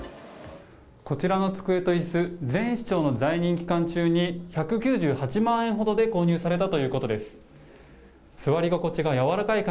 こちらの机といす、前市長の在任期間中に、１９８万円ほどで購入されたということです。